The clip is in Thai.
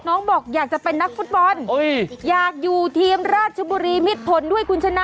บอกอยากจะเป็นนักฟุตบอลอยากอยู่ทีมราชบุรีมิดผลด้วยคุณชนะ